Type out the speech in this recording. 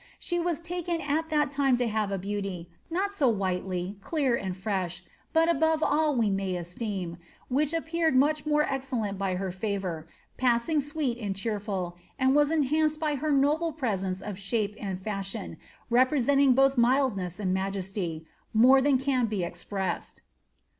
She was taken at that time to have a beauty, not so tthiielyj clear, and fresh, but above all we may esteem, which appeared much more excellent by her favour, passing sweet and cheerful, and was enhanced by her noble preaeoce d shape and fashion, representing both mildness and majesty, more than ran be expressed."